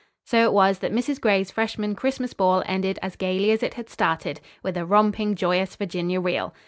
So it was that Mrs. Gray's freshman Christmas ball ended as gayly as it had started, with a romping, joyous Virginia reel.